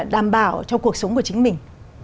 đảm bảo cho cuộc sống của chính mình